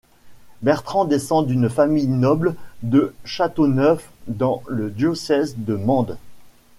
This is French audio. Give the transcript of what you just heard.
Bertrand descend d'une famille noble de Châteauneuf, dans le diocèse de Mende.